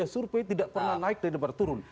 surpe tidak pernah naik dan berturun